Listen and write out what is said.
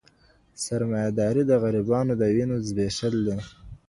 سرمایه داري د غریبانو د وینو زبېښل دي.